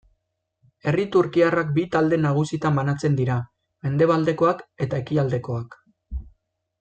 Herri turkiarrak bi talde nagusitan banatzen dira, mendebaldekoak eta ekialdekoak.